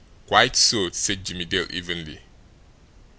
"Quite so!" said Jimmie Dale evenly.